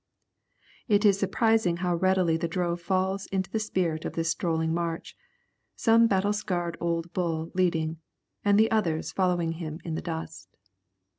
It is surprising how readily the drove falls into the spirit of this strolling march, some battle scarred old bull leading, and the others following him in the dust.